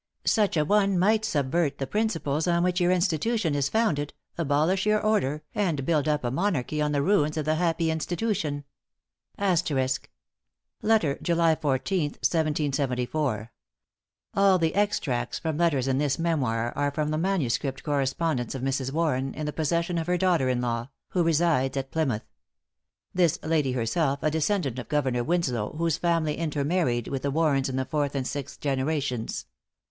Such a one might subvert the principles on which your institution is founded, abolish your order, and build up a monarchy on the ruins of the happy institution. Letter, July 14th, 1774. All the extracts from letters in this memoir, are from the manuscript correspondence of Mrs. Warren, in the possession of her daughter in law, who resides at Plymouth. This lady is herself a descendant of Governor Winslow, whose family inter married with the Warrens in the fourth and sixth generations.